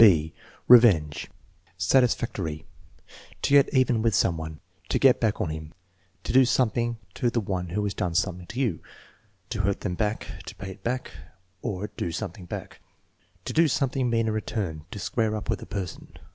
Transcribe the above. (6) Revenge Satisfactory. "To get even with some one." "To get back on him." "To do something to the one who has done something to you." "To hurt them back." " To pay it back," or "Do something back." "To do something mean in return." "To square up with a person."